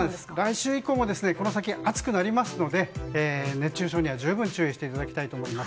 来週以降もこの先、暑くなりますので熱中症には十分注意していただきたいと思います。